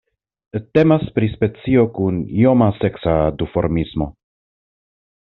Temas pri specio kun ioma seksa duformismo.